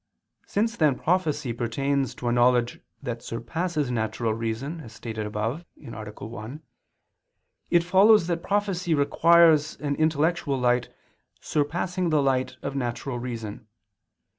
Since then prophecy pertains to a knowledge that surpasses natural reason, as stated above (A. 1), it follows that prophecy requires an intellectual light surpassing the light of natural reason.